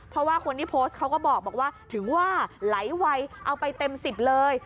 เพราะว่าคนที่โพสต์เขาก็บอกว่าถึงว่าไหลวัยเอาไปเต็ม๑๐เลย